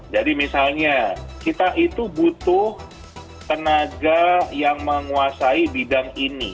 jadi misalnya kita itu butuh tenaga yang menguasai bidang ini